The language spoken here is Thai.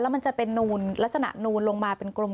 มันจะเป็นนูนลักษณะนูนลงมาเป็นกลม